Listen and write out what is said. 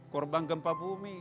korban gempa bumi